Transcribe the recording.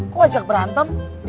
kok ajak berantem